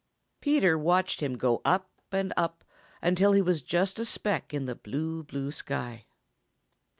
Peter watched him go up and up until he was just a speck in the blue, blue sky.